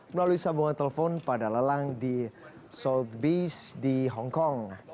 melalui sambungan telepon pada lelang di south base di hongkong